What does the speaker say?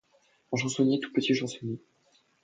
Un chansonnier, tout petit chansonnier.